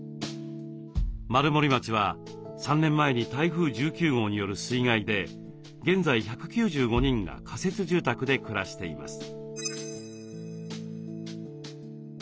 丸森町は３年前に台風１９号による水害で現在１９５人が仮設住宅で暮らしています。